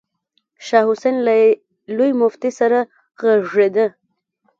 شاه حسين له لوی مفتي سره غږېده.